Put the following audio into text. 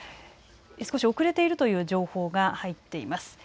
少し遅れているという情報が入っています。